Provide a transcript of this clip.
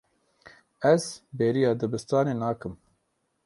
Ez bêriya dibistanê nakim.